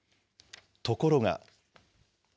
ところが。